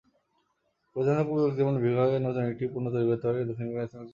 পরিধানযোগ্য প্রযুক্তিপণ্য বিভাগে নতুন একটি পণ্য তৈরি করতে পারে দক্ষিণ কোরিয়ার প্রতিষ্ঠান স্যামসাং।